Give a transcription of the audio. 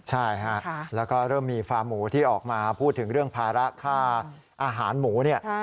ใช่ฮะแล้วก็เริ่มมีฟาร์หมูที่ออกมาพูดถึงเรื่องภาระค่าอาหารหมูเนี่ย